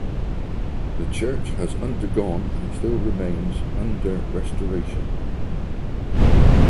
The church has undergone and still remains under restoration.